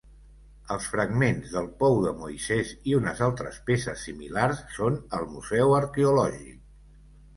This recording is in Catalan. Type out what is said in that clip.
Els fragments del Pou de Moisès i unes altres peces similars són al Museu Arqueològic.